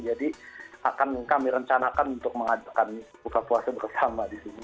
jadi akan kami rencanakan untuk mengadakan buka puasa bersama di sini